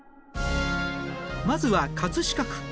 まずは飾区。